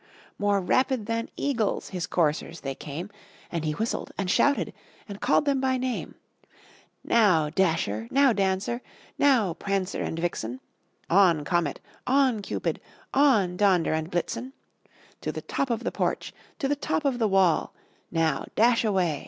More rapid than eagles his coursers they came, And he whistled, and shouted, and called them by name: "Now, Dasher! now, Dancer! now, Prancer and Vixen! On, Comet! on, Cupid! on, Donder and Blitzen! To the top of the porch! to the top of the wall! Now dash away!